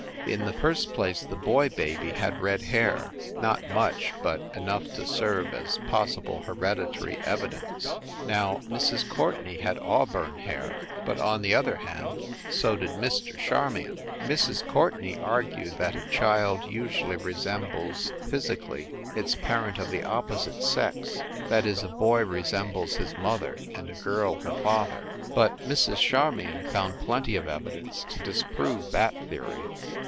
In the first place the boy baby had red hair not much, but enough to serve as possible hereditary evidence. Now, Mrs. Courtenay had auburn hair; but, on the other hand, so did Mr. Charmion. Mrs. THE BREWSTER MANSION 329 Courtenay argued that a child usually resembles, physically, its parent of the opposite sex that is, a boy resembles his mother, and a girl her father. But Mrs. Charmion found plenty of evidence to dis prove that theory.